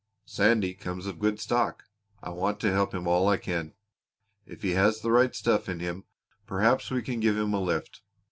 "Sandy comes of good stock. I want to help him all I can. If he has the right stuff in him perhaps we can give him a lift.